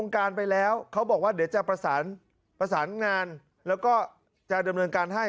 เขาบอกว่าเดี๋ยวจะประสานประสานงานแล้วก็จะดำเนินการให้